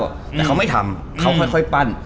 แต่เขาไม่ทำเขาค่อยปั้น